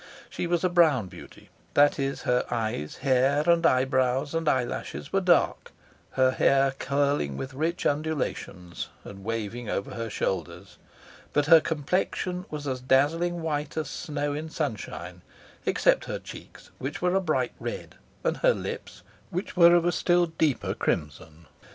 She was a brown beauty: that is, her eyes, hair, and eyebrows and eyelashes were dark: her hair curling with rich undulations, and waving over her shoulders; but her complexion was as dazzling white as snow in sunshine; except her cheeks, which were a bright red, and her lips, which were of a still deeper crimson.